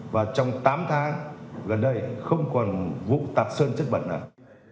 và trong tám tháng gần đây không còn vụ tạp sơn chất bẩn nào